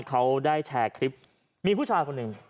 เขาได้แชร์คลิปมีผู้ชายคนหนึ่ง